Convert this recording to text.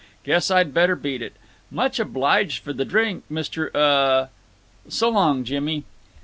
Guess I'd better beat it. Much obliged for the drink, Mr. Uh. So long, Jimmy."